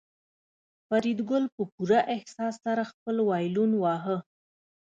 فریدګل په پوره احساس سره خپل وایلون واهه